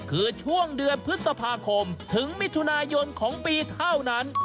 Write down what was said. คือช่วงเดือนพฤษภาคมถึงมิถุนายนของปีเท่านั้น